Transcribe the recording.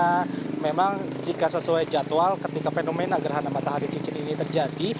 karena memang jika sesuai jadwal ketika fenomena geram antar cincin ini terjadi